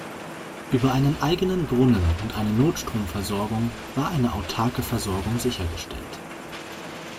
Über einen eigenen Brunnen und eine Notstromversorgung war eine autarke Versorgung sichergestellt.